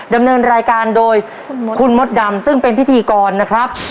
ดำเนินรายการโดยคุณมดดำซึ่งเป็นพิธีกรนะครับ